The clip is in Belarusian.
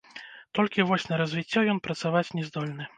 Толькі вось на развіццё ён працаваць не здольны.